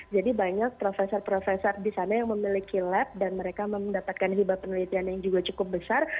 jadi banyak profesor profesor di sana yang memiliki lab dan mereka mendapatkan hibat penelitian yang juga cukup besar